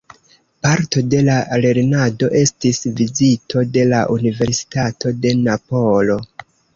Parto de la lernado estis vizito de la Universitato de Napolo.